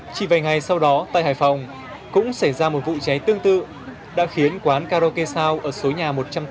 chỉ vài ngày sau đó tại hải phòng cũng xảy ra một vụ cháy tương tự đã khiến quán karaoke sao ở số nhà một trăm tám mươi